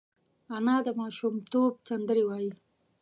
انا د ماشومتوب سندرې وايي